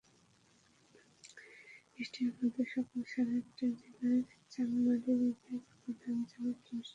বৃষ্টির মধ্যেই সকাল সাড়ে আটটায় জেলার চানমারিতে ঈদের প্রধান জামাত অনুষ্ঠিত হয়।